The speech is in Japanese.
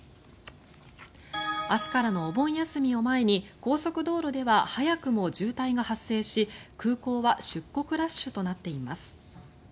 明日からのお盆休みを前に高速道路では早くも渋滞が発生し、空港は出国ラッシュとなっています。